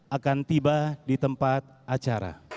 akan tiba di tempat acara